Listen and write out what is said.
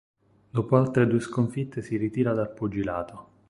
Dopo altre due sconfitte si ritira dal pugilato.